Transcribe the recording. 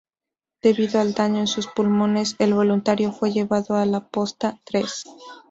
Debido al daño en sus pulmones, el voluntario fue llevado a la Posta Tres.